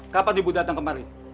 kapan ibu datang kemari